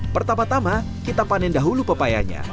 pertama tama kita panen dahulu pepayanya